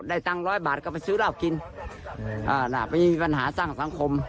ตังค์ร้อยบาทก็ไปซื้อเหล้ากินอ่าน่ะไปมีปัญหาสร้างสังคม